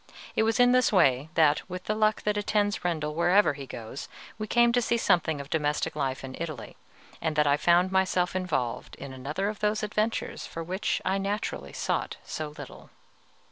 It was in this way that, with the luck that attends Rendel wherever he goes, we came to see something of domestic life in Italy, and that I found myself involved in another of those adventures for which I naturally sought so little.